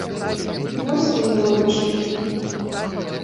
Вось ты і робіш.